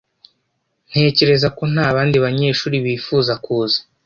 Ntekereza ko nta bandi banyeshuri bifuza kuza.